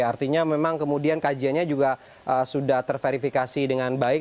artinya memang kemudian kajiannya juga sudah terverifikasi dengan baik